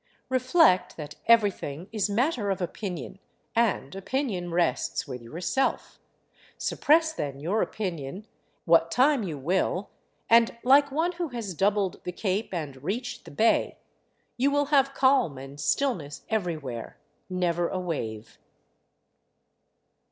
Reflect that everything is matter of opinion; and opinion rests with yourself, suppress then your opinion, what time you will, and like one who has doubled the cape and reached the bay, you will have calm and stillness everywhere, never a wave.